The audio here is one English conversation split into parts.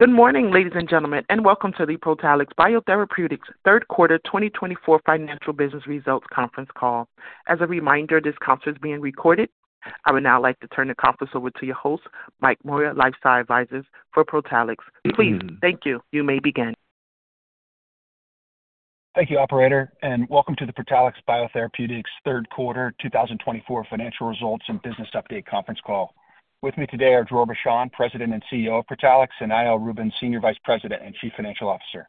Good morning, ladies and gentlemen, and welcome to the Protalix BioTherapeutics third quarter 2024 financial business results conference call. As a reminder, this conference is being recorded. I would now like to turn the conference over to your host, Mike Moyer, LifeSci Advisors for Protalix. Please. Mm-hmm. Thank you. You may begin. Thank you, Operator, and welcome to the Protalix BioTherapeutics third quarter 2024 financial results and business update conference call. With me today are Dror Bashan, President and CEO of Protalix, and Eyal Rubin, Senior Vice President and Chief Financial Officer.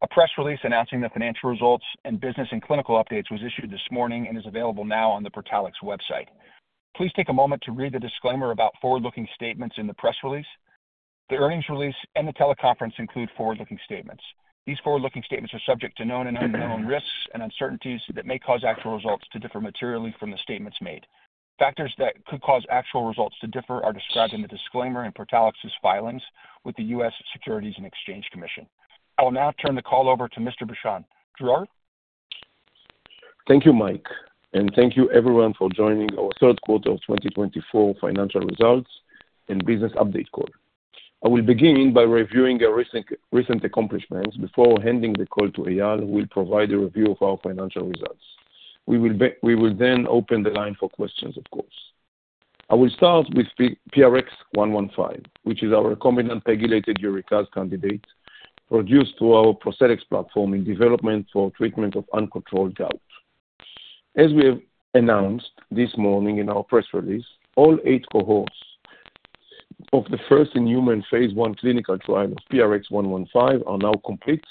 A press release announcing the financial results and business and clinical updates was issued this morning and is available now on the Protalix website. Please take a moment to read the disclaimer about forward-looking statements in the press release. The earnings release and the teleconference include forward-looking statements. These forward-looking statements are subject to known and unknown risks and uncertainties that may cause actual results to differ materially from the statements made. Factors that could cause actual results to differ are described in the disclaimer and Protalix's filings with the U.S. Securities and Exchange Commission. I will now turn the call over to Mr. Bashan. Dror? Thank you, Mike, and thank you, everyone, for joining our third quarter of 2024 financial results and business update call. I will begin by reviewing our recent accomplishments before handing the call to Eyal who will provide a review of our financial results. We will then open the line for questions, of course. I will start with PRX-115, which is our recombinant pegylated uricase candidate produced through our ProCellEx platform in development for treatment of uncontrolled gout. As we have announced this morning in our press release, all eight cohorts of the first-in-human phase I clinical trial of PRX-115 are now complete,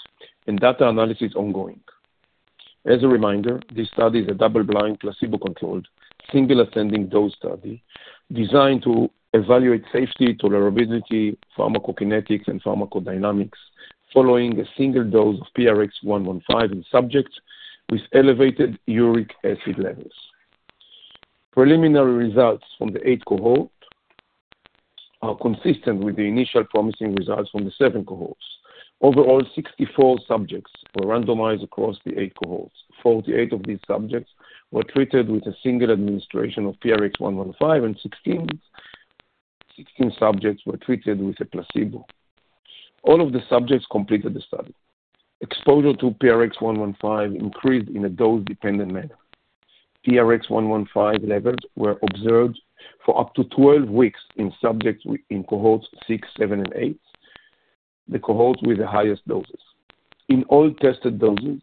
and data analysis is ongoing. As a reminder, this study is a double-blind, placebo-controlled, single-ascending dose study designed to evaluate safety, tolerability, pharmacokinetics, and pharmacodynamics following a single dose of PRX-115 in subjects with elevated uric acid levels. Preliminary results from the eight cohorts are consistent with the initial promising results from the seven cohorts. Overall, 64 subjects were randomized across the eight cohorts. 48 of these subjects were treated with a single administration of PRX-115, and 16 subjects were treated with a placebo. All of the subjects completed the study. Exposure to PRX-115 increased in a dose-dependent manner. PRX-115 levels were observed for up to 12 weeks in cohorts six, seven, and eight, the cohorts with the highest doses. In all tested doses,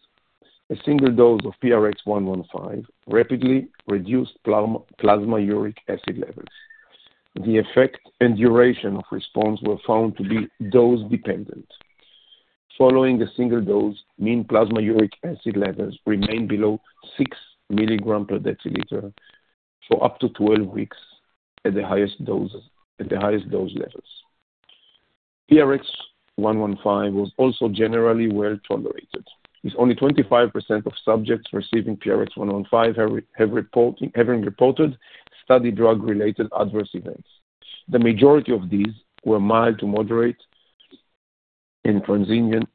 a single dose of PRX-115 rapidly reduced plasma uric acid levels. The effect and duration of response were found to be dose-dependent. Following a single dose, mean plasma uric acid levels remained below six milligram per deciliter for up to 12 weeks at the highest dose levels. PRX-115 was also generally well tolerated. Only 25% of subjects receiving PRX-115 have reported study drug-related adverse events. The majority of these were mild to moderate and transient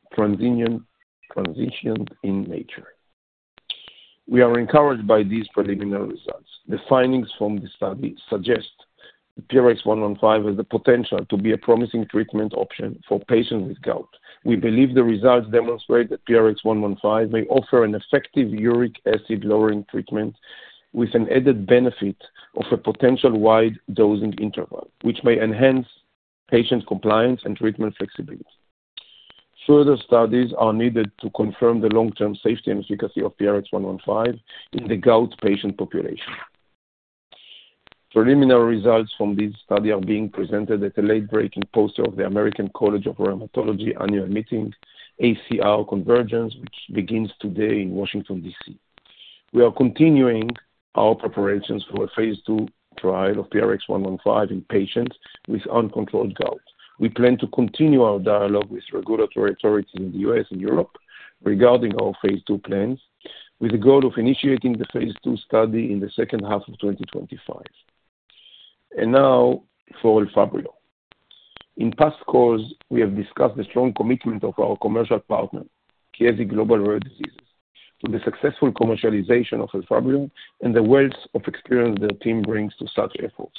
in nature. We are encouraged by these preliminary results. The findings from the study suggest that PRX-115 has the potential to be a promising treatment option for patients with gout. We believe the results demonstrate that PRX-115 may offer an effective uric acid-lowering treatment with an added benefit of a potential wide dosing interval, which may enhance patient compliance and treatment flexibility. Further studies are needed to confirm the long-term safety and efficacy of PRX-115 in the gout patient population. Preliminary results from this study are being presented at the late-breaking poster of the American College of Rheumatology annual meeting, ACR Convergence, which begins today in Washington, D.C. We are continuing our preparations for a phase II trial of PRX-115 in patients with uncontrolled gout. We plan to continue our dialogue with regulatory authorities in the U.S. and Europe regarding our phase II plans, with the goal of initiating the phase II study in the second half of 2025. And now for Elfabrio. In past calls, we have discussed the strong commitment of our commercial partner, Chiesi Global Rare Diseases, to the successful commercialization of Elfabrio and the wealth of experience their team brings to such efforts.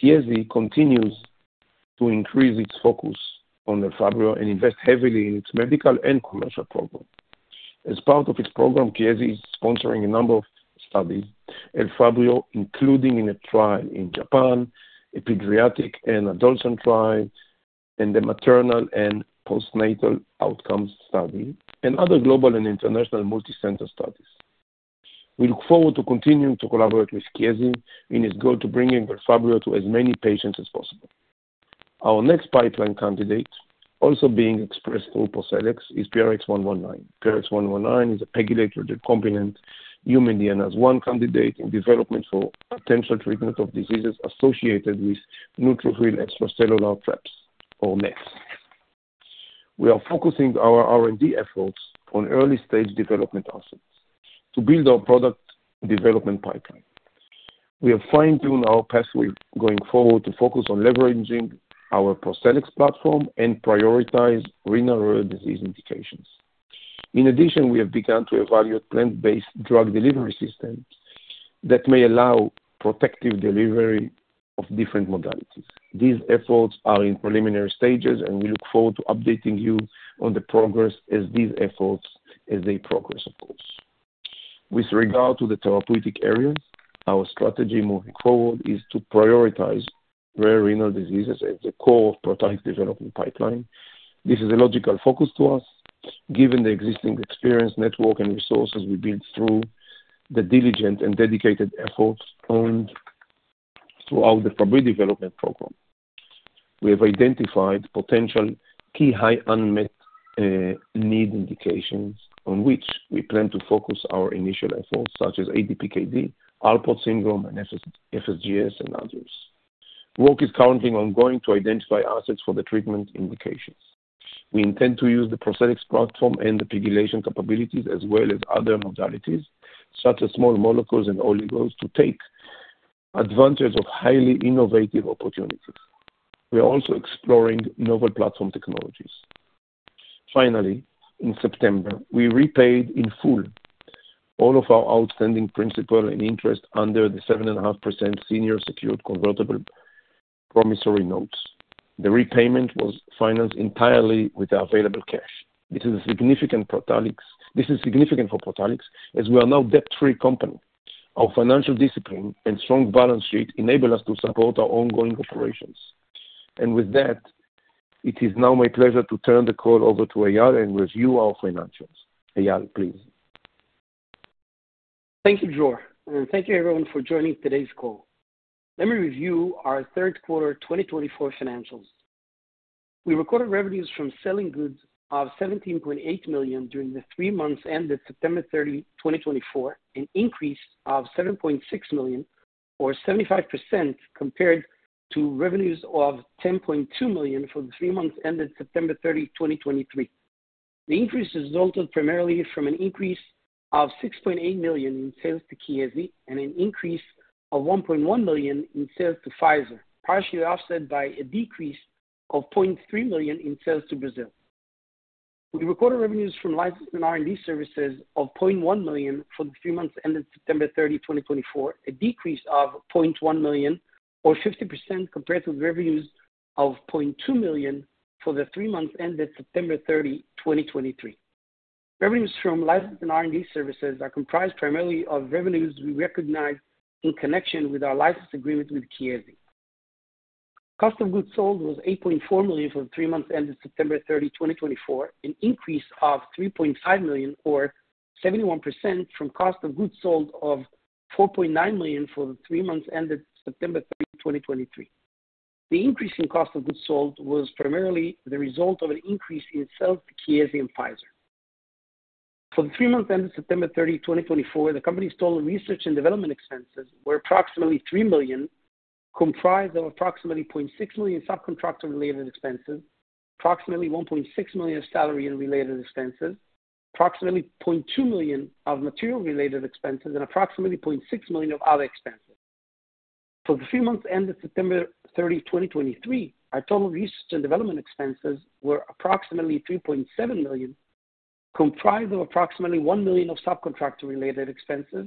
Chiesi continues to increase its focus on Elfabrio and invests heavily in its medical and commercial program. As part of its program, Chiesi is sponsoring a number of studies, Elfabrio, including in a trial in Japan, a pediatric and adolescent trial, and a maternal and postnatal outcomes study, and other global and international multicenter studies. We look forward to continuing to collaborate with Chiesi in its goal to bring Elfabrio to as many patients as possible. Our next pipeline candidate, also being expressed through ProCellEx, is PRX-119. PRX-119 is a pegylated recombinant human DNase I candidate in development for potential treatment of diseases associated with neutrophil extracellular traps, or NETs. We are focusing our R&D efforts on early-stage development assets to build our product development pipeline. We have fine-tuned our pathway going forward to focus on leveraging our ProCellEx platform and prioritize renal rare disease indications. In addition, we have begun to evaluate plant-based drug delivery systems that may allow protective delivery of different modalities. These efforts are in preliminary stages, and we look forward to updating you on the progress as these efforts progress, of course. With regard to the therapeutic areas, our strategy moving forward is to prioritize rare renal diseases as the core of Protalix development pipeline. This is a logical focus to us, given the existing experience, network, and resources we built through the diligent and dedicated efforts throughout the Fabry Development program. We have identified potential key high unmet need indications on which we plan to focus our initial efforts, such as ADPKD, Alport syndrome, and FSGS, and others. Work is currently ongoing to identify assets for the treatment indications. We intend to use the ProCellEx platform and the pegylation capabilities, as well as other modalities such as small molecules and oligos to take advantage of highly innovative opportunities. We are also exploring novel platform technologies. Finally, in September, we repaid in full all of our outstanding principal and interest under the 7.5% senior secured convertible promissory notes. The repayment was financed entirely with our available cash. This is significant for Protalix, as we are now a debt-free company. Our financial discipline and strong balance sheet enable us to support our ongoing operations. And with that, it is now my pleasure to turn the call over to Eyal and review our financials. Eyal, please. Thank you, Dror, and thank you, everyone, for joining today's call. Let me review our third quarter 2024 financials. We recorded revenues from selling goods of $17.8 million during the three months ended September 30, 2024, an increase of $7.6 million, or 75%, compared to revenues of $10.2 million for the three months ended September 30, 2023. The increase resulted primarily from an increase of $6.8 million in sales to Chiesi and an increase of $1.1 million in sales to Pfizer, partially offset by a decrease of $0.3 million in sales to Brazil. We recorded revenues from licensed and R&D services of $0.1 million for the three months ended September 30, 2024, a decrease of $0.1 million, or 50%, compared to revenues of $0.2 million for the three months ended September 30, 2023. Revenues from licensed and R&D services are comprised primarily of revenues we recognize in connection with our license agreement with Chiesi. Cost of goods sold was $8.4 million for the three months ended September 30, 2024, an increase of $3.5 million, or 71%, from cost of goods sold of $4.9 million for the three months ended September 30, 2023. The increase in cost of goods sold was primarily the result of an increase in sales to Chiesi and Pfizer. For the three months ended September 30, 2024, the company's total research and development expenses were approximately $3 million, comprised of approximately $0.6 million subcontractor-related expenses, approximately $1.6 million salary-related expenses, approximately $0.2 million of material-related expenses, and approximately $0.6 million of other expenses. For the three months ended September 30, 2023, our total research and development expenses were approximately $3.7 million, comprised of approximately $1 million of subcontractor-related expenses,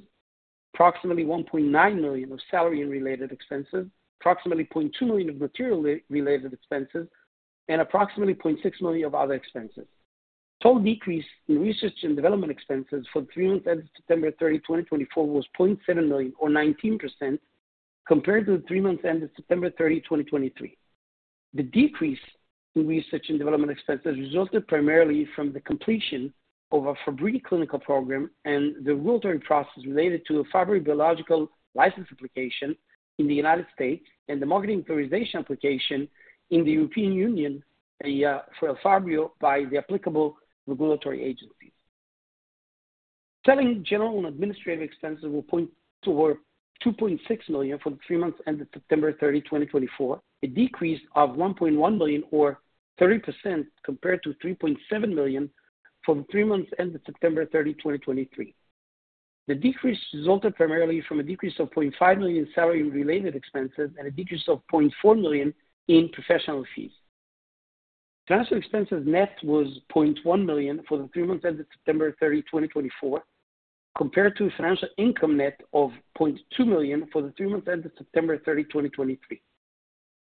approximately $1.9 million of salary-related expenses, approximately $0.2 million of material-related expenses, and approximately $0.6 million of other expenses. Total decrease in research and development expenses for the three months ended September 30, 2024, was $0.7 million, or 19%, compared to the three months ended September 30, 2023. The decrease in research and development expenses resulted primarily from the completion of our Elfabrio clinical program and the regulatory process related to the Elfabrio Biologics License Application in the United States and the Marketing Authorization Application in the European Union for Elfabrio by the applicable regulatory agencies. Selling general and administrative expenses will point toward $2.6 million for the three months ended September 30, 2024, a decrease of $1.1 million, or 30%, compared to $3.7 million for the three months ended September 30, 2023. The decrease resulted primarily from a decrease of $0.5 million salary-related expenses and a decrease of $0.4 million in professional fees. Financial expenses net was $0.1 million for the three months ended September 30, 2024, compared to financial income net of $0.2 million for the three months ended September 30, 2023.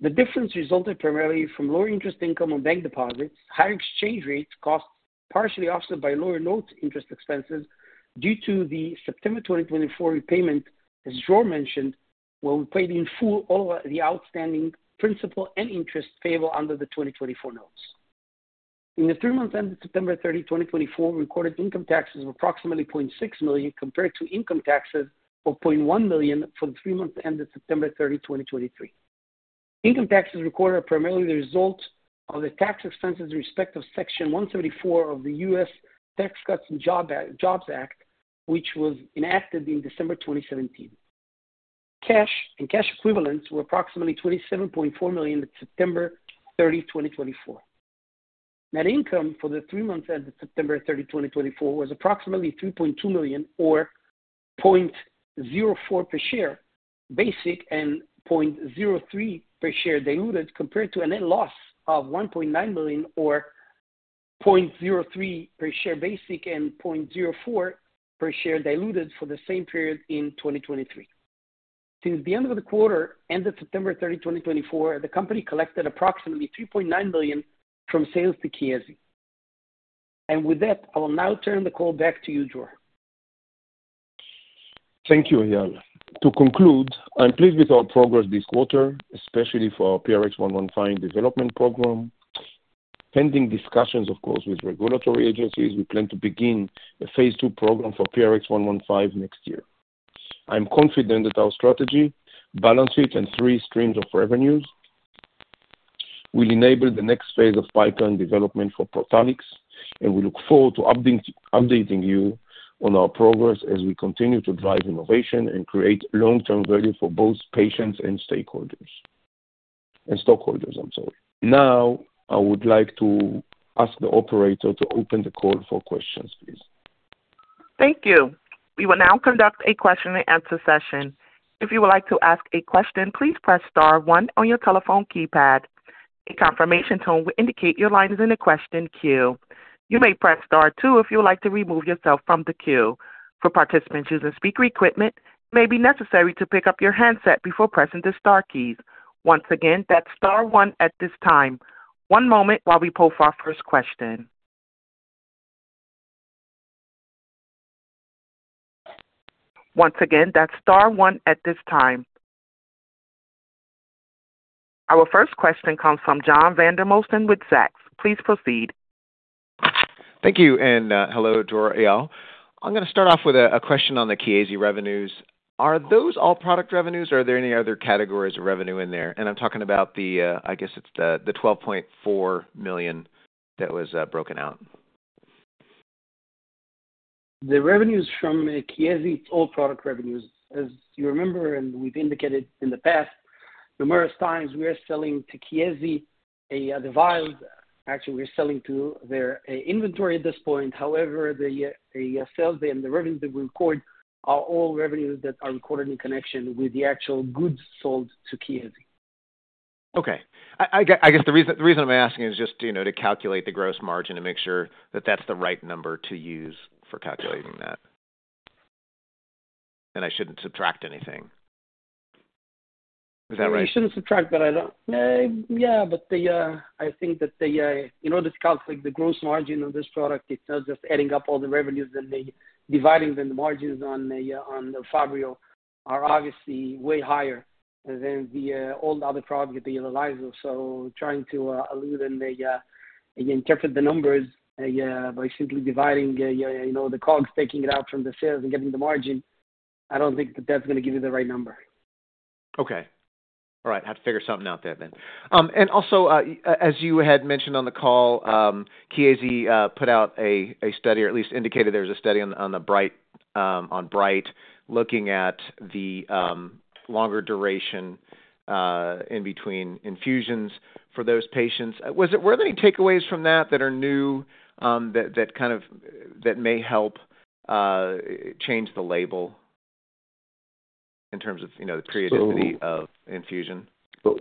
The difference resulted primarily from lower interest income on bank deposits, higher exchange rate costs, partially offset by lower notes interest expenses due to the September 2024 repayment, as Dror mentioned, where we paid in full all the outstanding principal and interest payable under the 2024 notes. In the three months ended September 30, 2024, recorded income taxes were approximately $0.6 million, compared to income taxes of $0.1 million for the three months ended September 30, 2023. Income taxes recorded are primarily the result of the tax expenses in respect of Section 174 of the U.S. Tax Cuts and Jobs Act, which was enacted in December 2017. Cash and cash equivalents were approximately $27.4 million at September 30, 2024. Net income for the three months ended September 30, 2024, was approximately $3.2 million, or $0.04 per share basic and $0.03 per share diluted, compared to a net loss of $1.9 million, or $0.03 per share basic and $0.04 per share diluted for the same period in 2023. Since the end of the quarter ended September 30, 2024, the company collected approximately $3.9 million from sales to Chiesi. With that, I will now turn the call back to you, Dror. Thank you, Eyal. To conclude, I'm pleased with our progress this quarter, especially for our PRX-115 development program. Pending discussions, of course, with regulatory agencies, we plan to begin a phase two program for PRX-115 next year. I'm confident that our strategy, balance sheet, and three streams of revenues will enable the next phase of pipeline development for Protalix, and we look forward to updating you on our progress as we continue to drive innovation and create long-term value for both patients and stakeholders and stockholders, I'm sorry. Now, I would like to ask the operator to open the call for questions, please. Thank you. We will now conduct a question-and-answer session. If you would like to ask a question, please press star one on your telephone keypad. A confirmation tone will indicate your line is in a question queue. You may press star two if you would like to remove yourself from the queue. For participants using speaker equipment, it may be necessary to pick up your handset before pressing the star keys. Once again, that's star one at this time. One moment while we pull for our first question. Once again, that's star one at this time. Our first question comes from John Vandermosten with Zacks. Please proceed. Thank you. And hello, Dror, Eyal. I'm going to start off with a question on the Chiesi revenues. Are those all product revenues, or are there any other categories of revenue in there? And I'm talking about the, I guess it's the $12.4 million that was broken out. The revenues from Chiesi are all product revenues. As you remember, and we've indicated in the past, numerous times we are selling to Chiesi. Actually, we're selling to their inventory at this point. However, the sales and the revenues that we record are all revenues that are recorded in connection with the actual goods sold to Chiesi. Okay. I guess the reason I'm asking is just to calculate the gross margin and make sure that that's the right number to use for calculating that. And I shouldn't subtract anything. Is that right? You shouldn't subtract, but yeah, I think that in order to calculate the gross margin on this product, it's not just adding up all the revenues and then dividing the margins on Elfabrio are obviously way higher than all the other products that they utilize. So trying to allude and interpret the numbers by simply dividing the COGS, taking it out from the sales, and getting the margin, I don't think that that's going to give you the right number. Okay. All right. I have to figure something out there then. And also, as you had mentioned on the call, Chiesi put out a study, or at least indicated there was a study on Fabry, looking at the longer duration in between infusions for those patients. Were there any takeaways from that that are new that kind of may help change the label in terms of the periodicity of infusion? So,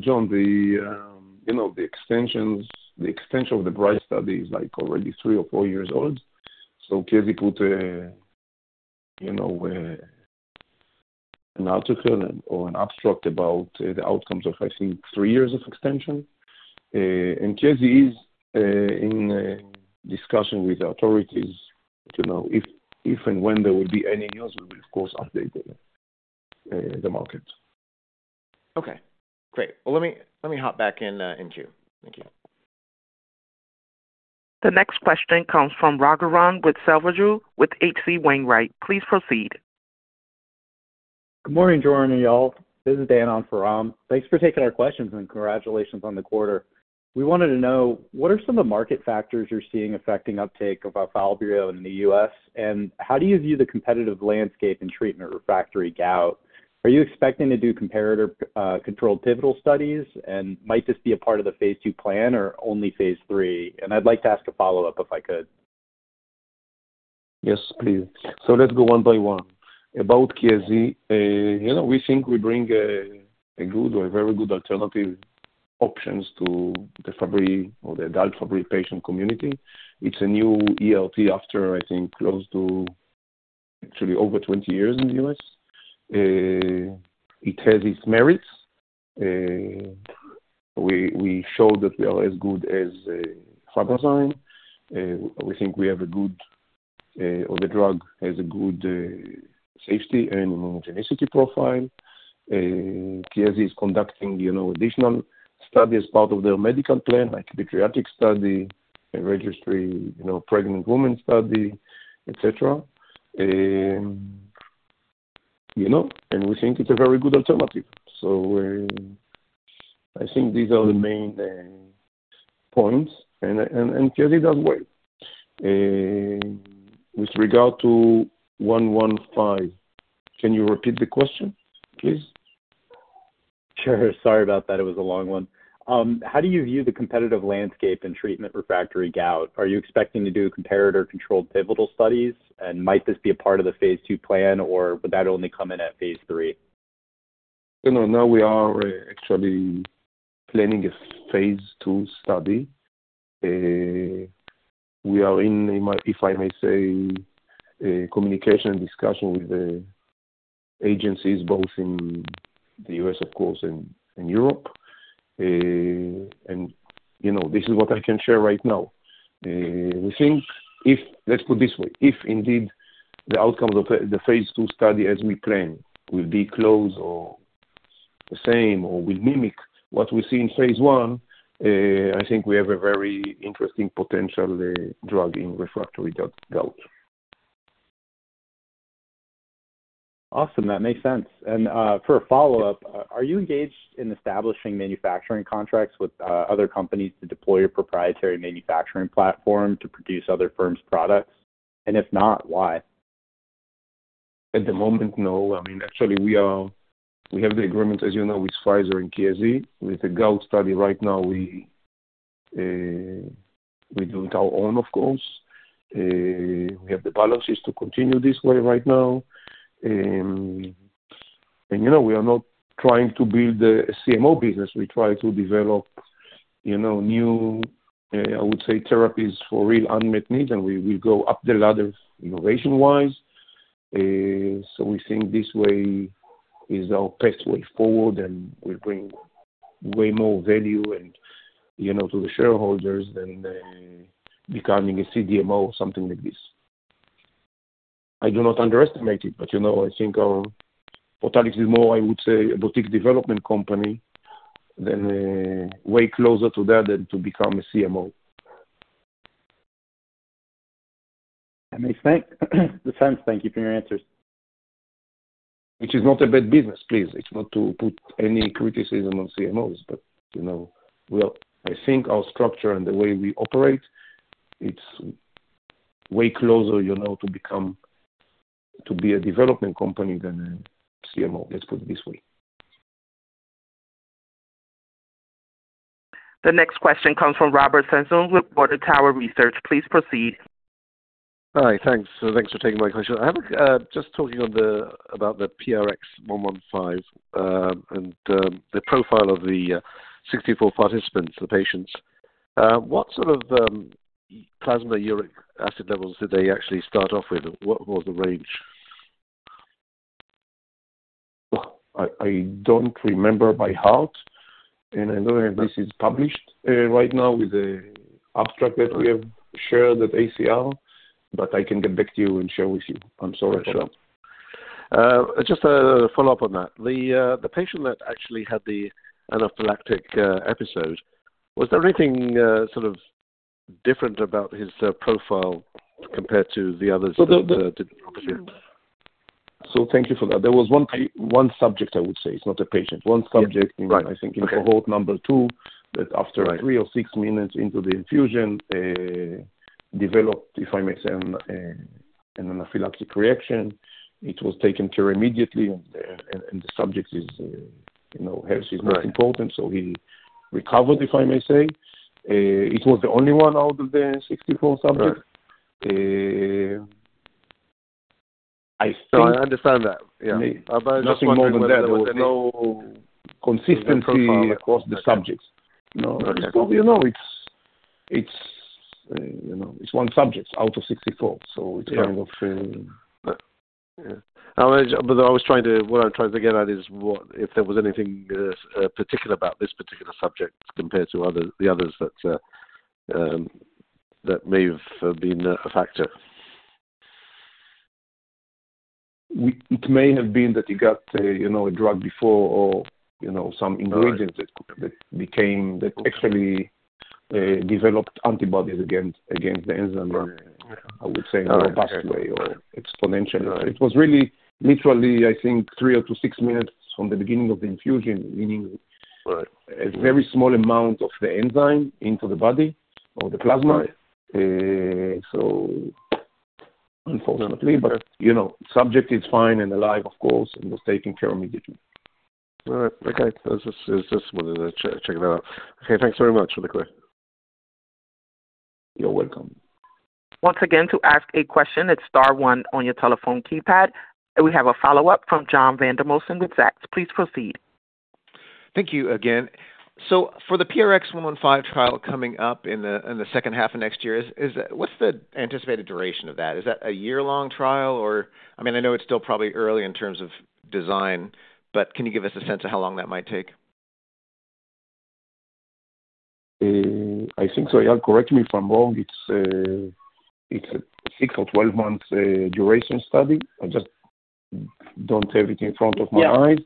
John, the extension of the BRIGHT study is already three or four years old. So Chiesi put an article or an abstract about the outcomes of, I think, three years of extension. And Chiesi is in discussion with the authorities. If and when there will be any news, we will, of course, update the market. Okay. Great. Well, let me hop back in too. Thank you. The next question comes from Raghuram Selvaraju with H.C. Wainwright. Please proceed. Good morning, Dror and Eyal. This is Dan, on for Ram. Thanks for taking our questions and congratulations on the quarter. We wanted to know, what are some of the market factors you're seeing affecting uptake of Elfabrio in the U.S., and how do you view the competitive landscape in treatment refractory gout? Are you expecting to do comparative controlled pivotal studies, and might this be a part of the phase II plan or only phase III? And I'd like to ask a follow-up if I could. Yes, please. So let's go one by one. About Chiesi, we think we bring a good or a very good alternative options to the Fabry or the adult Fabry patient community. It's a new ERT after, I think, close to actually over 20 years in the U.S. It has its merits. We showed that we are as good as Fabrazyme. We think we have a good—or the drug has a good safety and immunogenicity profile. Chiesi is conducting additional studies as part of their medical plan, like a pediatric study, a registry pregnant women study, etc. And we think it's a very good alternative. So I think these are the main points, and Chiesi does well. With regard to 115, can you repeat the question, please? Sure. Sorry about that. It was a long one. How do you view the competitive landscape in treatment refractory gout? Are you expecting to do comparative controlled pivotal studies, and might this be a part of the phase II plan, or would that only come in at phase III? Now we are actually planning a phase II study. We are in, if I may say, communication and discussion with the agencies, both in the U.S., of course, and Europe. And this is what I can share right now. Let's put it this way. If indeed the outcomes of the phase two study, as we plan, will be close or the same or will mimic what we see in phase I, I think we have a very interesting potential drug in refractory gout. Awesome. That makes sense. And for a follow-up, are you engaged in establishing manufacturing contracts with other companies to deploy your proprietary manufacturing platform to produce other firms' products? And if not, why? At the moment, no. I mean, actually, we have the agreement, as you know, with Pfizer and Chiesi. With the gout study right now, we do it on our own, of course. We have the balances to continue this way right now, and we are not trying to build a CDMO business. We try to develop new, I would say, therapies for real unmet needs, and we will go up the ladder innovation-wise, so we think this way is our best way forward, and we'll bring way more value to the shareholders than becoming a CDMO or something like this. I do not underestimate it, but I think Protalix is more, I would say, a boutique development company, way closer to that than to become a CDMO. That makes sense. Thank you for your answers. Which is not a bad business, please. It's not to put any criticism on CMOs, but I think our structure and the way we operate, it's way closer to be a development company than a CMO. Let's put it this way. The next question comes from Robert Sassoon with Water Tower Research. Please proceed. Hi. Thanks. Thanks for taking my question. Just talking about the PRX-115 and the profile of the 64 participants, the patients, what sort of plasma uric acid levels did they actually start off with? What was the range? I don't remember by heart, and I know this is published right now with the abstract that we have shared at ACR, but I can get back to you and share with you. I'm sorry for that. Sure. Just a follow-up on that. The patient that actually had the anaphylactic episode, was there anything sort of different about his profile compared to the others? So thank you for that. There was one subject, I would say. It's not a patient. One subject, I think, in cohort number two, that after three or six minutes into the infusion, developed, if I may say, an anaphylactic reaction. It was taken care of immediately, and the subject's health is most important, so he recovered, if I may say. It was the only one out of the 64 subjects. I understand that. Yeah. Nothing more than that. There was no consistency across the subjects. It's one subject out of 64, so it's kind of. Although I was trying to, what I'm trying to get at is if there was anything particular about this particular subject compared to the others that may have been a factor. It may have been that he got a drug before or some ingredients that actually developed antibodies against the enzyme, I would say, in a robust way or exponentially. It was really literally, I think, three or six minutes from the beginning of the infusion, meaning a very small amount of the enzyme into the body or the plasma, so unfortunately, but the subject is fine and alive, of course, and was taken care of immediately. All right. Okay. Just wanted to check that out. Okay. Thanks very much for the question. You're welcome. Once again to ask a question. It's star one on your telephone keypad. We have a follow-up from John Vandermosten with Zacks. Please proceed. Thank you again. So for the PRX-115 trial coming up in the second half of next year, what's the anticipated duration of that? Is that a year-long trial? I mean, I know it's still probably early in terms of design, but can you give us a sense of how long that might take? I think so. Correct me if I'm wrong. It's a six or 12-month duration study. I just don't have it in front of my eyes.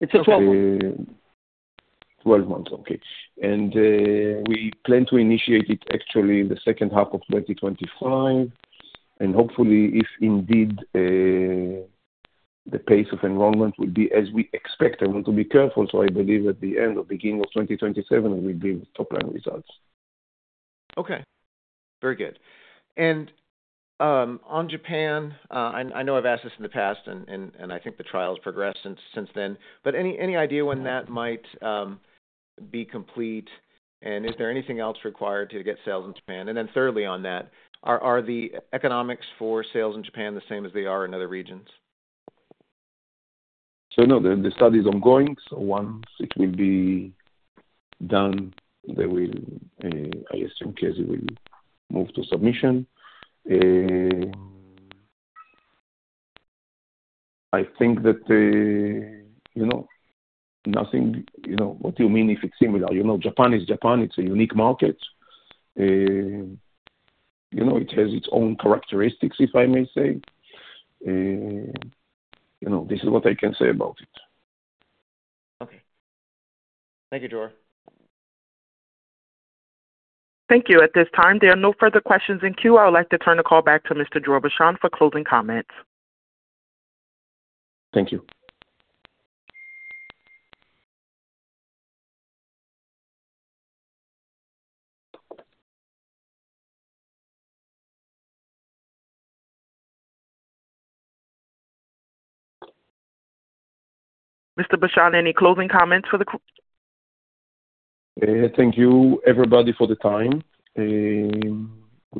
It's a 12-month. 12 months. Okay. And we plan to initiate it actually in the second half of 2025. And hopefully, if indeed the pace of enrollment will be as we expect, I want to be careful. So I believe at the end or beginning of 2027, we'll be with top-line results. Okay. Very good. And on Japan, I know I've asked this in the past, and I think the trial has progressed since then, but any idea when that might be complete? And is there anything else required to get sales in Japan? And then thirdly on that, are the economics for sales in Japan the same as they are in other regions? No, the study is ongoing. Once it will be done, I assume Chiesi will move to submission. I think that nothing, what do you mean if it's similar? Japan is Japan. It's a unique market. It has its own characteristics, if I may say. This is what I can say about it. Okay. Thank you, Dror. Thank you. At this time, there are no further questions in queue. I would like to turn the call back to Mr. Dror Bashan for closing comments. Thank you. Mr. Bashan, any closing comments for the? Thank you, everybody, for the time. We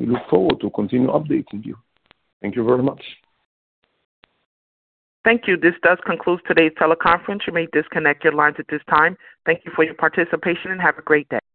look forward to continuing updating you. Thank you very much. Thank you. This does conclude today's teleconference. You may disconnect your lines at this time. Thank you for your participation and have a great day.